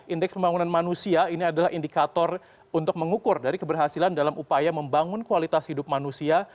indeks pembangunan manusia ini adalah indikator untuk mengukur dari keberhasilan dalam upaya membangun kualitas hidup manusia